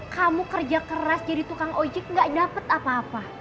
kamu kerja keras jadi tukang ojek gak dapat apa apa